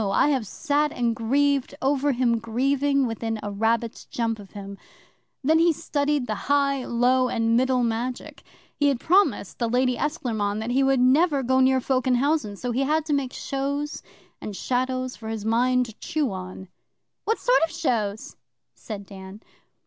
I have sat and grieved over him grieving within a rabbit's jump of him. Then he studied the High, Low, and Middle Magic. He had promised the Lady Esclairmonde he would never go near folk in housen; so he had to make shows and shadows for his mind to chew on.' 'What sort of shows?' said Dan.